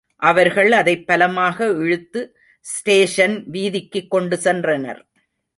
அவர்கள் அதைப் பலமாக இழுத்து ஸ்டேஷன் வீதிக்குக் கொண்டு சென்றனர்.